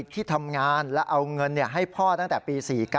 ที่ทำงานและเอาเงินให้พ่อตั้งแต่ปี๔๙